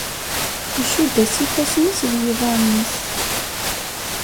Icudd-as ifassen-is d yiḍaren-is.